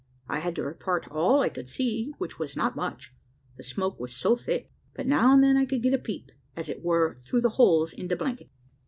I had to report all I could see, which was not much, the smoke was so thick; but now and then I could get a peep, as it were, through the holes in the blanket.